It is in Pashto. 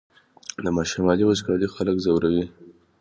د شمال وچکالي خلک ځوروي